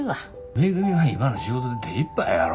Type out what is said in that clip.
めぐみは今の仕事で手いっぱいやろ。